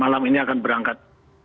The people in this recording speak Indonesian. dan malam ini akan berangkat